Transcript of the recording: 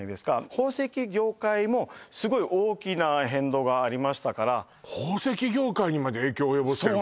宝石業界もすごい大きな変動がありましたから宝石業界にまで影響を及ぼしてるの？